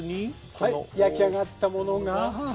はい焼き上がったものがはははは！